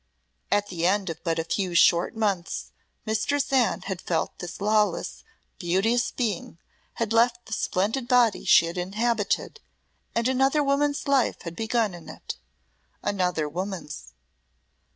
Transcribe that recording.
At the end of but a few short months Mistress Anne had felt this lawless, beauteous being had left the splendid body she had inhabited, and another woman's life had begun in it another woman's.